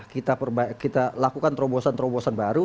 kita lakukan terobosan terobosan baru